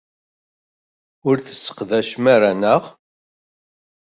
Ur t-tesseqdacem ara, naɣ?